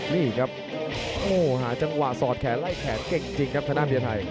นี่ครับโอ้โหหาจังหวะสอดแขนไล่แขนเก่งจริงครับทางด้านเบียร์ไทย